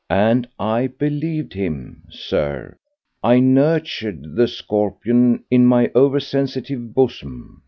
And I believed him, Sir; I nurtured the scorpion in my over sensitive bosom!